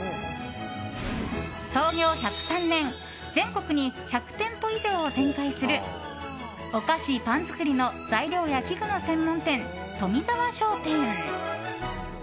創業１０３年全国に１００店舗以上を展開するお菓子・パン作りの材料や器具の専門店、富澤商店。